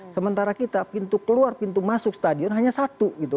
sementara kita pintu keluar pintu masuk stadion hanya satu gitu